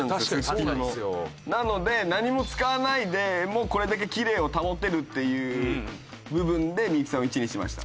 なので何も使わないでもこれだけきれいを保てるっていう部分で幸さんを１位にしました。